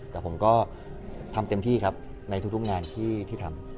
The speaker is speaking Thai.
แต่ผมก็ทำเต็มที่ครับในทุกงานที่ทำ